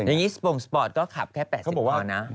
อย่างนี้สปรงสปอร์ตก็ขับแค่๘๐พอนะ